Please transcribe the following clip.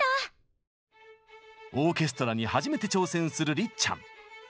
オーケストラに初めて挑戦するりっちゃん。